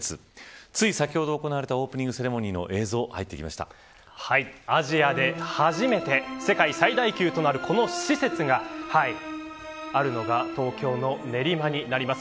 つい先ほど行われたオープニングセレモニーの映像がアジアで初めて世界最大級となるこの施設があるのが東京の練馬になります。